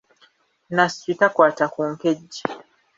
Nasswi takwata ku nkejje.